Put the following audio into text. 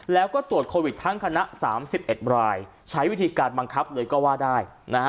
แล้วก็ตรวจโควิดทั้งคณะ๓๑รายใช้วิธีการบังคับเลยก็ว่าได้